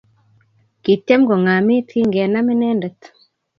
Kityem kongamit kingenam inendet